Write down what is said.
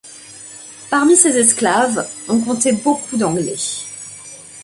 Parmi ces esclaves, on comptait beaucoup d’Anglais.